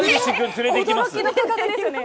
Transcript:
驚きの価格ですね。